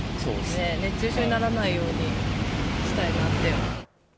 熱中症にならないようにしたいなって。